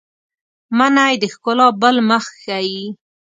منی د ښکلا بل مخ ښيي